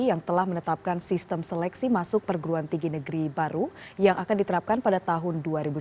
yang telah menetapkan sistem seleksi masuk perguruan tinggi negeri baru yang akan diterapkan pada tahun dua ribu sembilan belas